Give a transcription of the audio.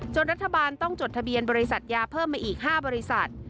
รัฐบาลต้องจดทะเบียนบริษัทยาเพิ่มมาอีก๕บริษัท